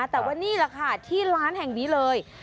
แต่ว่านี่แหละค่ะที่ร้านแห่งนี้เลย